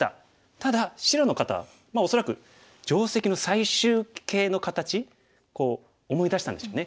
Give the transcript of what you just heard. ただ白の方まあ恐らく定石の最終形の形思い出したんでしょうね。